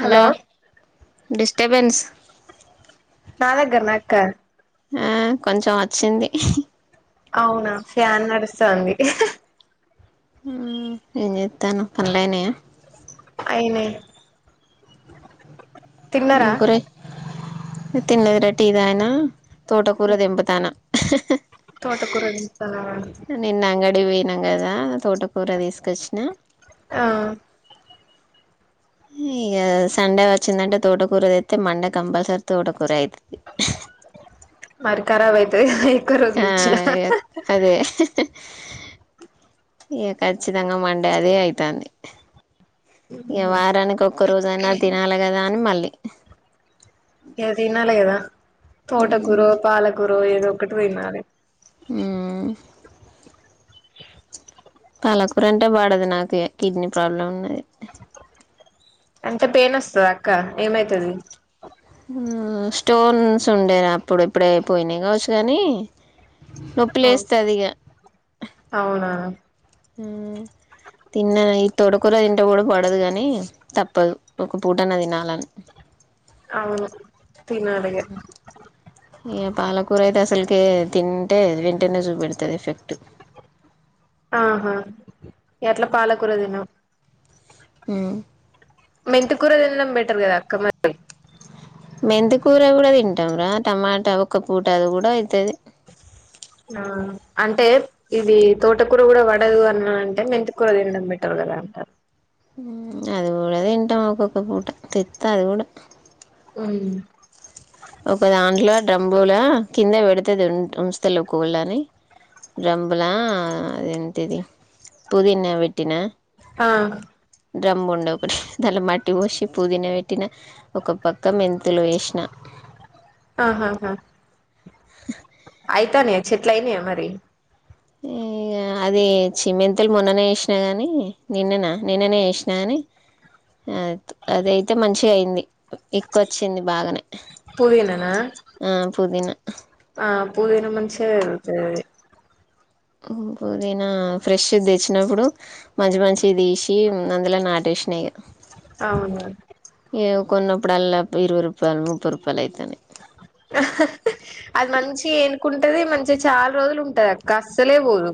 Hello disturbance నా దగ్గర నా అక్క ఆ కొంచెం వచ్చింది అవునా ఫ్యాన్ నడుస్తుంది ఏం చేస్తున్నావ్ పనులైనయా అయినాయి ఏం కూర నేను తినలేదు లే టీ తాగినా తోటకూర దింపుతున్న తోటకూర తింటాన్నావా నిన్న అంగడి పో తం కదా తోటకూర తీసుకొచ్చిన ఆహాయ్ ఇక [inaudible] సండే వచ్చిందంటే తోటకూర అయితే మండే కంపల్సరీ తోటకూర అవుతుంది మరి కరబ్ అయితుంది ఎక్కువ రోజులంచిన ఆ అదే ఇక ఖచ్చితంగా మండే అదే అవుతుంది ఇక వారానికి ఒక్క రోజ అయినా తినాలి కదా అని మళ్ళీ ఏ తినాలి కదా తోటకూర పాలకూర ఏద ఒకటి తినాలి ఉహ్ పాలకూర అంటే బడది నాకు కిడ్నీ ప్రాబ్లం ఉన్నది అంటే పెయిన్ వస్తుదా అక్క ఏమైతది స్టోన్స్ ఉండేనా అప్పుడు ఇప్పుడే పోయినాయి కావచ్చు కానీ నొప్పి అవు లేస్తదిక అవునా ఆహాయ్ తిన్నాను ఈ తొటకూర తింటే కూడా పడదు గాని తప్పదు ఒక పూటన్న తినాలని అవును తినాలి ఇగ ఇగ పాలకూర అయితే అసలేకె తింటే వెంటనే చూపెడుతుంది ఎఫెక్ట్ ఆహా ఎట్లా పాలకూర తినవ్ హ్మ్ మెంతి కూర తినడం బెటర్ కదా అక్క మరి మెంతికూర కూడా తింటాంరా టమాటా ఒక పూట అది కూడా అయితది ఆ అంటే ఇది తోటకూర కూడా పడదు అన్న అంటే మెంతి కూర తిందాం బెటర్ రాంటమ్ అది కూడా తింటాం ఒక్కొక్క పూట తెత అది కూడా అ ఒక దాంట్లో డ్రంబూల కింద పెడితే ఉంచుతాలేవ్ కోళ్లు అని డ్రమ్లా అది ఏంటి ఇది పుదీనా పెట్టినా ఆ డ్రమ్ ఉండే ఒకటి దాంట్లో మట్టి పోసి పుదీనా పెట్టిన ఒక పక్క మెంతులు వేసిన ఆహాహా అయితనయ్ చెట్లు అయినాయ మరి ఏ అది చిమెంతులు మొన్ననే ఎసినా గాని నిన్ననా నిన్ననే చేసినా గాని అ అదయితే మంచిగా అయింది ఎక్కువ వచ్చింది బాగానే పుదీననా పుదీనా ఆ పుదీనా మంచిగా పెరుగుతది అది ఓ పుదీనా ఫ్రెష్ తెచ్చినప్పుడు మంచి మంచి తీసి అందులో నాటి షేనేగా అవును ఇగ కొన్నప్పుడు అల్లా ఇరవై రూపాయలు ముప్పై రూపాయలు అయితనయ్ ఆ అది మంచి ఎనుకుంటది మంచిగా చాలా రోజులు ఉంటది అక్క అస్సలే పోదు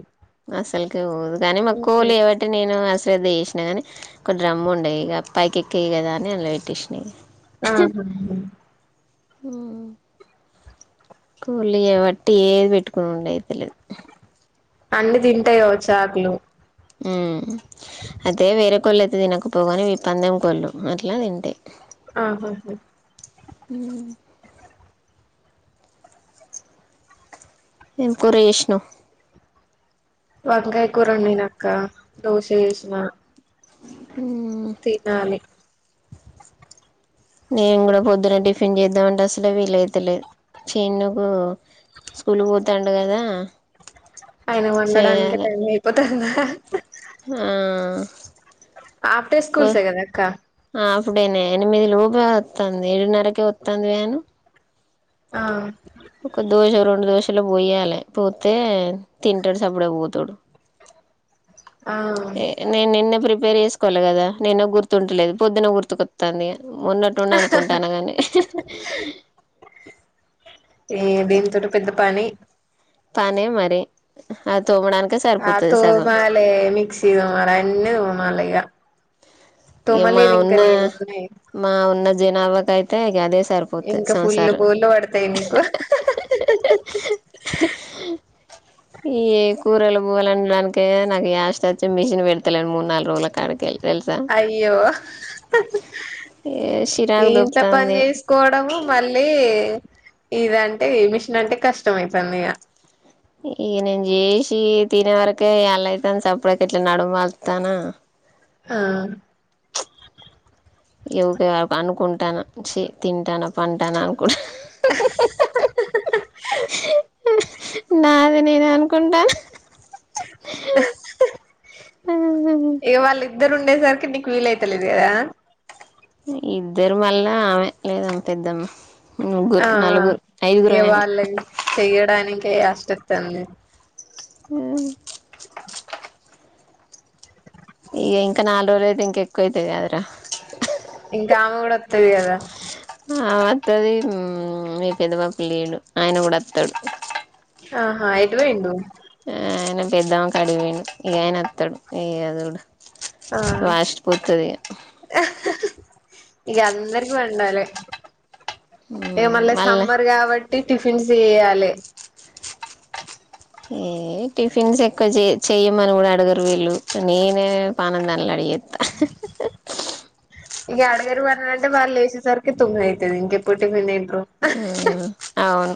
అస్సలకె పోదు కాని మా కోళ్లు ఏబట్టి నేను అస్ శ్రద్ధ చేసినా కానీ ఒక డ్రమ్ము ఉండే ఇగ పైకి ఎక్కయ్ కదా అని అల పెటేసిన ఇగ ఆహాహా కోలిగా బట్టి ఏది పెట్టుకునిండ అయితలేదు అన్ని తింటాయ వచ్చి ఆకులు హ్మ్ అయితే వేరే కోళ్ళు అయితే తినకపోగాని పందెం కొళ్ళు అట్లా తింటాయ్ ఆహాహా హ్మ్ ఎమ్ కూర చేసినవ్ వంకాయ కూర వండినా అక్క దోశ ఎసినా తినాలి నేను కూడా పొద్దున టిఫిన్ చేద్దామంటే అసలే వీలైతలేదు చిన్నుకు స్కూల్ పోతాండు కదా ఆయన వండడానికె టైం అయిపోతాది కదా హఆ ఆఫ్టర్ వ స్కూల్సే కదా అక్క హాఫ్ డే నే ఎనిమిది లోపే వతాంది ఏడున్నరకే వతాంది వ్యాను ఆ ఒక దోశ రెండు దోశలు పోయాలి పోతే తింటాడు సప్పుడే పోతాడు ఆ నేను నిన్న ప్రిపేర్ చేసుకోవాలి కదా! నిన్న గుర్తుంటలేదు పొద్దున గుర్తుకొత్తాంది. మొన్నటునుండి అనుకుంటన్నగని. ఎ దీని తోటి పెద్ద పని! పనే మరి అది తోమడానికే ఆ సరిపోతది సగం తూమాాలే మిక్సీ తోమాలే అన్ని తోమాలే ఇగ. ఇక మా తోమలేదు ఇంకా ఉన్న నేను ఉన్నాయి. మా ఉన్న జనాభాకి అయితే ఇక అదే సరిపోతది ఇంకా ఫుల్లు సంసారం బొల్లువడ్తాయి పడతాయి నీకు. ఆ.. ఆ ఆ ఈ కూరలు పూవలు అనడానికి నాకు వస్ట్ వచ్చి మిషన్ పెడతలేండి మూడు నాలుగు రోజుల కడకళ్ళి. తెలుసా? ఏవ. ఈ చిరాకు ఇంట్లో పని దొబ్బుతాంది చేసుకోవడము మళ్ళీ ఇదంటే ఏ మిషన్ అంటే కష్టమఅయితంది ఇగ ఇక నేను చేసి తినే వరకే యాళ్లయితంది సప్పడక ఇట్లా నడుమలుతాన ఆ ఊకె అనుకుంటాన ఛీ తింటాన పంటాన. కు నాది నేను అనుకుంటా ఆ ఇగ వాళ్ళ ఇద్దరు ఉండేసరికి నీకు వీలయితలేదు కదా? ఇద్దరు మళ్ళా ఆమె ఏదో పెద్దమ్మ ముగ్గురు ఆ ఆ నలుగురు ఇగ ఐదుగురం అయినం వాళ్ళ చెయ్యడాననికిే యాస్ట ఒతంది హ ఇగ ఇంకా నాలు రోజులు అయితే ఇంకా ఎక్కువ అయితాయి గదరా ఇంకా ఆమె కూడా ఒతది కదా! ఆ వత్తది మీ పెద్దవాప లేడు ఆయన కూడా ఒత్తడు ఆహా ఎటు లేటువేండు ఆ ఆయన పెద్దాం కాడికి వూయిండు ఇక ఆయన ఒతడు త్తడు ఇ అదూడు ఆ వాస్ట్పోూతది ఇగ అందరికి వండాలి ఇక మళ్ళీ మళ్ళా సమ్మర్ కాబట్టి. టిఫిన్స్ చేయాలి ఏ టిఫిన్స్ ఎక్కువ చే చెయ్యమని కూడా అడగరు వీళ్ళు నేనే పానందండాడి ఇగ అడగరు అంటే వాళ్లు లేసే సార్కి తొమ్మిది అయితేది ఇంకేపోయదు టిఫిన్ తిం ఆ అవును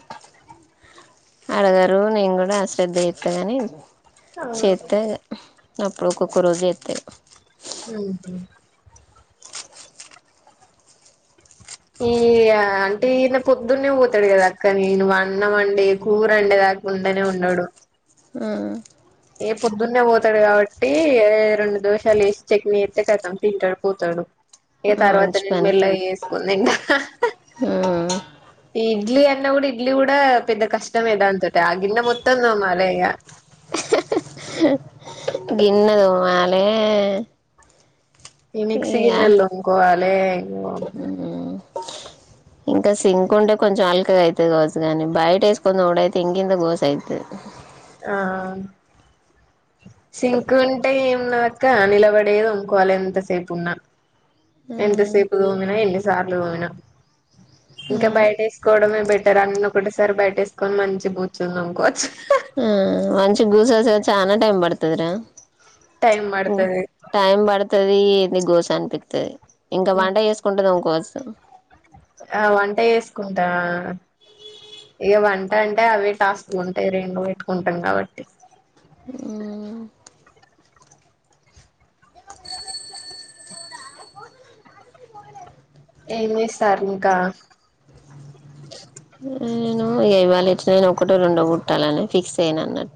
అడగరు నేను కూడా అ శ్రద్ధ చేత్త గాని ఆ చేత్తే అప్పుడు ఒక్కొక్క రోజు చెత్తది అ ఆ ఈ అంటే ఈయన పొద్దున్నే పోతాడు కదా అక్కని నే అన్నం అండి కూరండి దాక ఉంటనే ఉండడు ఆ ఏ పొద్దున్నే పోతాడు కాబట్టి రెండు దోషాలు వేసి చట్నీ ఎత్తే కతం తింటాడు పోతాడు. ఇక ఆ తర్వాత మంచి నేను పని మెల్లగా చేసుకునీ తింటా ఈ ఇడ్లీ అ న్న కూడా ఇడ్లీ కూడా పెద్ద కష్టమే దాంతోటి ఆ గిన్నె మొత్తం తోమాల గిన్నదు మాలే ఈ ఇ మిక్సీ గిన్నెలు తోముకోవాలే ఇంకా సింకు ఉంటే కొంచెం అలకగా అయితది కావొచ్చు గాని బయట ఎసుగోనిదొమ్డైతే ఇంగింత గోస అయితది ఆ సింకు అంటే ఏంన్నాక్క నిలబడేద ఇంకోలో ఎంతసేపు ఉన్నా ఎంత సేపు అయితది తోమిన ఎన్ని సార్లు తోమిన ఇంకా ఆ బయట వేసుకోవడమే బెటర్ అన్న ఇక్కటిసారి బయటేసుకొని మంచిగా కూర్చుంది అనుకోవచ్చు ఆ కోసోవచు చనా టైమ్ పడుతదరా టైం పడుతది టైం పడుతుది ఏది గోస అనిపిస్తుది ఇంకా వంట చేసుకుంటు ఇంకో ఆ వంట వేసుకుంటా. ఇక వంట అంటే అవి టాస్క్ ఉంటాయి రెండు పెట్టుకుంటాం కాబట్టి ఆ ఏమిస్తార్ ఇంకా నేను ఇవాలి ఎట్లాయిన ఒకటే రెండో కుుట్టాలని ఫిక్స్ అయన అన్నట్టు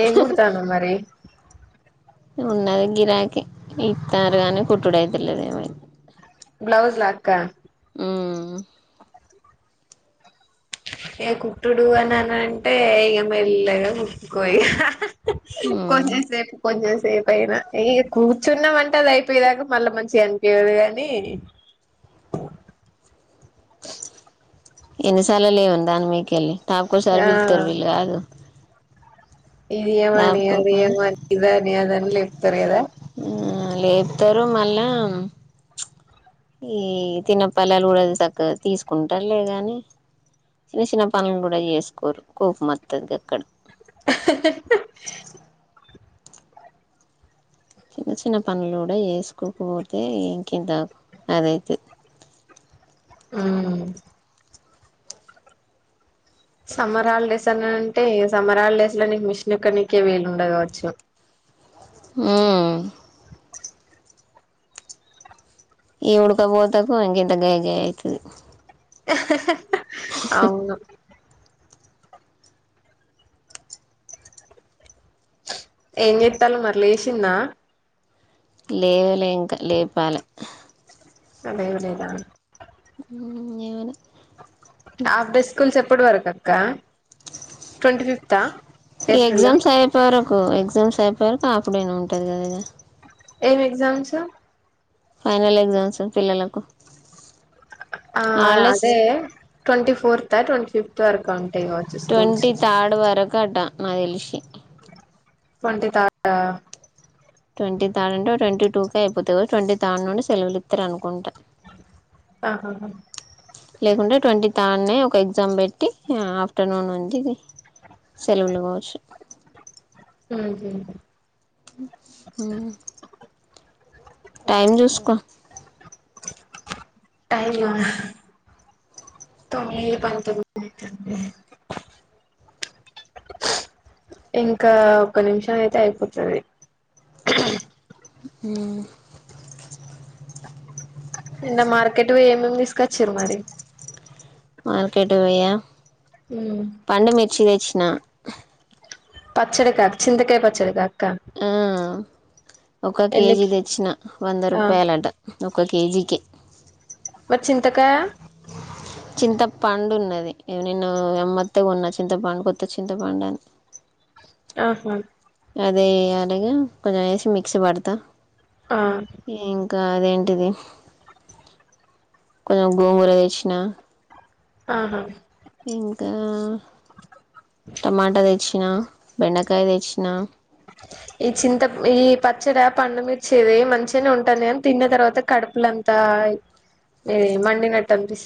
ఏ కుడతానావు మరి ఉన్నది గిరాకి ఇస్తారుగాని కుటడ అతుల్ది బ్లౌజ్ లాక్క ఆ ఏ కుట్టుడు అని అన అంటే ఇక మెల్లగా కుక్కుకో ఇగ మ్మ్ కొంచెం సేపు కొంచం సేపు సేపుయినా ఇక కూర్చున్నా అంటే అది అయిపోయదాకా మళ్ళా మంచిగా చనిపయదు కాని ఓ ఎన్నిసార్లు లేవని దాన్ని మీకెళ్ళి టాపకోసార్లు ఆ పిలుతారు వీళ్ళు కాదు ఇదియమని తాపుకోపని అదియమని ఇదనీ అదని లేపుతారు కదా లేపుతారు మళ్ళా ఈ తినపల్లెలు కూడాది చక్క తీసుకుంటారులే ని చిన్న చిన్న పనులు కూడా చేసుకోరు కోపం మత్తది అక్కడ చిన్న చిన్న పనులు కూడా చేసుకోకపోతే ఇంకేంత అదైతే ఉమ్ సమ్మర్ హాలిడేస్ అన్నా అంటే సమ్మర్ హాలిడేస్ లో నీకు మిషన్క్కకే వేలుండ కావచ్చు ఆ ఈ ఉడకపోతకు ఇంకింత గయ గయ అవుతుంది అవును ఏం చెత్తాల మరీ లేసిందా లేవలే ఇంకా లేపాలి లేవలేదా ఏమనా హాఫ్ డెస్ స్కూల్స్ ఎప్పటి వరకు అక్క ట్వంటంటీ ఫిఫ్తా ఏప్రిల్ ఎగ్జామ్ అయిపోయి వరకు హఫ్డేనే ఉంటంది కదా ఇదా ఏం ఎగజామ్స్ ఫైనల్ ఎగ్జామ్స్ పిల్లలకు ఆ హాలిడేస్ అదే ట్వంటీ ఫోర్త్ ట్వంట ఫిఫ్త్ వరకు ఉంటాయివచ్చు స్కూల్స్ కడ్డ నా తెలిసి ట్వంటీ థర్డ్ ఆ ట్వంటీ థడ్ అంటే ట్వంటీ టూ క అయిపోతా ట్వీథడ్ నుండి సెలవులు ఇస్తారు అనుకుంటా ఆహాహా లేకుంటే ట్వంటీ తానే ఒక ఎగ్జామ్ పెట్టి ఆఫ్టర్నూన్ ఉంది ఇది సెలవులు కావచ్చు హ అ టైం చూసుకో టైమా తొమ్మిది పంతొమ్మిది అయితంది ఇంకా ఒక నిమిషం అయితే అయిపోతది మ్ నిన్న మార్కెట్ పోయి ఏమేమి తీసుకొచ్చిరు మరి మార్కెటుకుపోయా హమ్ చూసిన పచ్చడికా చింతకాయ పచ్చడికా ఆ ఒక కేజీ ఎన్నికి తెచ్చిన వంద ఆ రూపాయలట ఒక కేజీకే మరి చింతకాయా చింత పండు ఉన్నది నిన్ను మెత్తగున్న చింతపండు కొత్త చింతపండు అని ఆహా అదే కడిగి కొంచెం వేసి మిక్సీ పడతా ఆ ఇంకా అదేంటిది కొంచెం గోంగూర తెచ్చిన ఆహా ఇంకా టమాటా తెచ్చినా బెండకాయ తెచ్చినా ఈ చింత ఈ పచ్చడా పండుమిర్చిది మంచిగానే ఉంటుంది కానీ తిన్న తర్వాత కడుపులంతా త ఎ మండినట్టు అనిపిస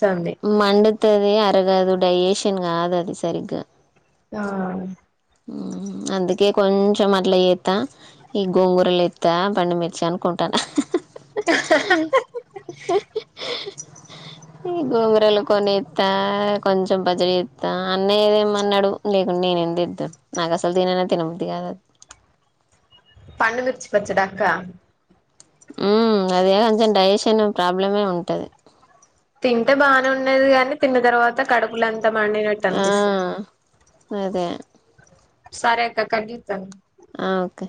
మండుతది అరగదు డైజేషన్ కాదు అది సరిగ్గా అవునా మ్ అందుకే కొంచెం అట్లా చెత్తా ఈ గోంగూరలు ఎత్తా పండుమిర్చి అనుకుంటానా ఈ గోంగరలు కొన్నెత కొంచెం బజరీ చెత్తా అన్నయ్యదేమన్నడు లేకుంటే నేనెందుకుడెత నాకు అసలు తిననే తినబుద్ధి కాదు అ పండుమిర్చి పచ్చాడా అక్క ఉ అదే కొంచెం డైజెషన్ ప్రాబ్లమే ఉంటది తింటే బానే ఉన్నది కాని తిన్న తర్వాత కడుపులం త మడినట్టు ఆ అనిపిస్తుంది అదే సరే అక్క కట్ చెత్తన ఆ ఓకే